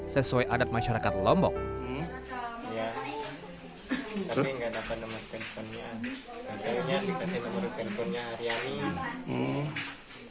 sesuai adat masyarakat lombok ya tapi nggak dapat nomor teleponnya namanya dikasih nomor